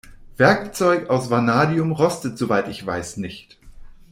Werkzeug aus Vanadium rostet soweit ich weiß nicht.